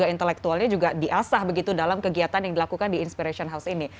dan intelektualnya juga diasah begitu dalam kegiatan yang dilakukan di inspiration house ini